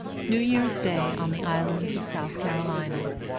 NEW YEAR'S DAY ON THE ISLANDS OF SOUTH CAROLINA, 1863.